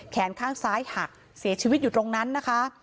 แขนข้างซ้ายหักเสียชีวิตอยู่ตรงนั้นนะคะ